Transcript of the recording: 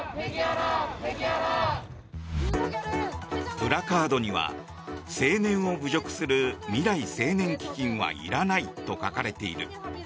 プラカードには青年を侮辱する未来青年基金はいらないと書かれている。